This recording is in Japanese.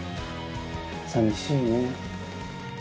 さみしいね。